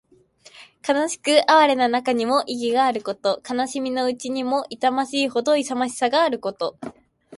悲しく哀れな中にも意気のあること。悲しみのうちにも痛ましいほどの勇ましさのあること。